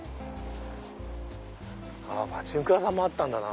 パチンコ屋さんもあったんだな。